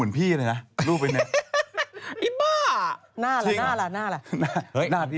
นี่เลยก็อดจิ